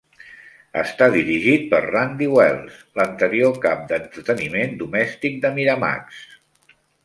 Està dirigit per Randy Wells, l'anterior cap d'entreteniment domèstic de Miramax.